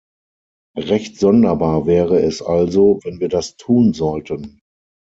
Recht sonderbar wäre es also, wenn wir das tun sollten.